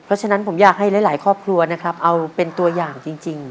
เพราะฉะนั้นผมอยากให้หลายครอบครัวนะครับเอาเป็นตัวอย่างจริง